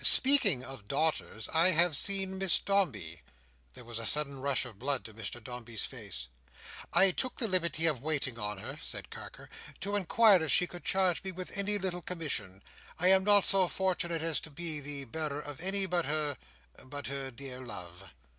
Speaking of daughters, I have seen Miss Dombey." There was a sudden rush of blood to Mr Dombey's face. "I took the liberty of waiting on her," said Carker, "to inquire if she could charge me with any little commission. I am not so fortunate as to be the bearer of any but her—but her dear love."